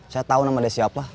saya tau nama dia siapa